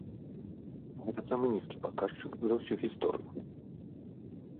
Гэта самы нізкі паказчык за ўсю гісторыю.